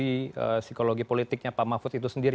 psikologi politiknya pak mahfud itu sendiri